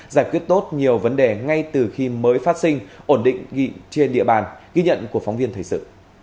giải quyết tốt nhiều vấn đề ngay từ khi mới phát sinh ổn định trên địa bàn ghi nhận của phóng viên thời sự